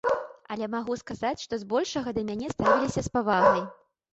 Але магу сказаць, што збольшага да мяне ставіліся з павагай.